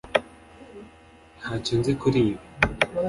ntacyo nzi kuri ibi.